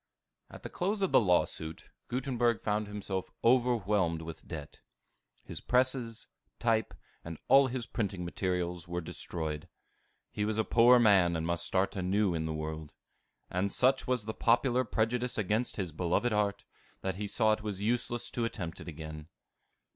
At the close of the lawsuit, Gutenberg found himself overwhelmed with debt. His presses, type, and all his printing materials were destroyed. He was a poor man, and must start anew in the world. And such was the popular prejudice against his beloved art, that he saw it was useless to attempt it again.